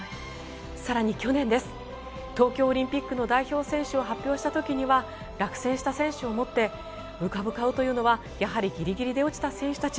更に去年、東京オリンピックの代表選手を発表した時には落選した選手を思って浮かぶ顔というのはやはりギリギリで落ちた選手たち。